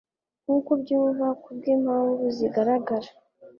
nkuko ubyumva kubwimpamvu zigaragara